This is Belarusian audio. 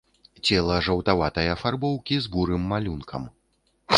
Цела жаўтаватай афарбоўкі з бурым малюнкам.